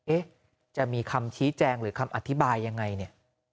เอ๊ะจะมีคำชี้แจงหรือคำอธิบายยังไงเนี่ย